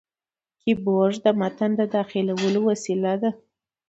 کیبورډ د متن داخلولو وسیله ده.